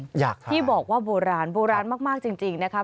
อยากทานค่ะพี่บอกว่าโบราณโบราณมากจริงนะครับ